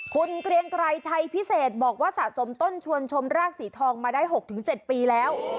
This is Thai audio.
คุณเกรียงไกรชัยพิเศษบอกว่าสะสมต้นชวนชมรากสีทองมาได้๖๗ปีแล้ว